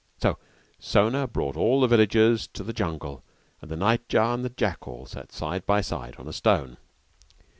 So Sona brought all the villagers to the jungle and the night jar and jackal sat side by side on a stone.